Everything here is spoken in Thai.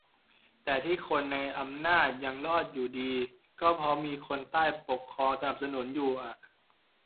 แต่ที่คนในอำนาจยังรอดอยู่ดี ก็เพราะมีคนใต้ปกครองสนับสนุนอยู่อะ